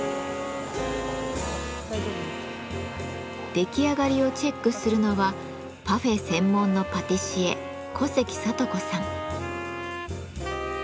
出来上がりをチェックするのはパフェ専門のパティシエ小関智子さん。